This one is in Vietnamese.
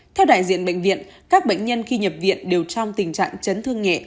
theo đại diện bệnh viện các bệnh nhân khi nhập viện đều trong tình trạng chấn thương nhẹ